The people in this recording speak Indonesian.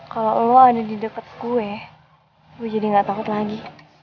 kalau lo ada di dekat gue jadi gak takut lagi